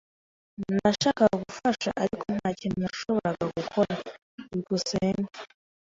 Nashakaga gufasha, ariko nta kintu nashoboraga gukora. byukusenge